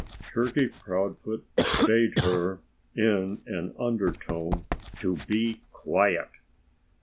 Turkey Proudfoot bade her, in an undertone, to be quiet.